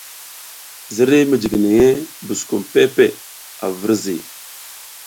Ziriy mijiginey buskum peʼe peʼe a virzi.